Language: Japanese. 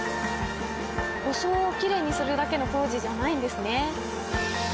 装をきれいにするだけの工事じゃないんですね。